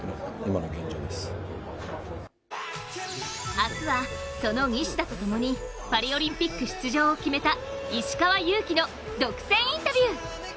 明日はその西田とともにパリオリンピック出場を決めた石川祐希の独占インタビュー。